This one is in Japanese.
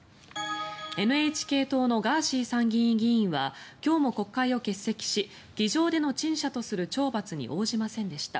ＮＨＫ党のガーシー参議院議員は今日も国会を欠席し議場での陳謝とする懲罰に応じませんでした。